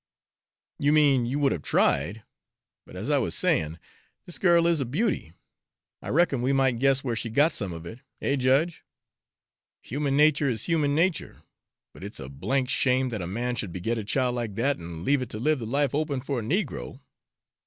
"You mean you would have tried. But as I was saying, this girl is a beauty; I reckon we might guess where she got some of it, eh, Judge? Human nature is human nature, but it's a d d shame that a man should beget a child like that and leave it to live the life open for a negro.